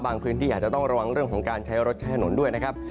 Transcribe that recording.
พื้นที่อาจจะต้องระวังเรื่องของการใช้รถใช้ถนนด้วยนะครับ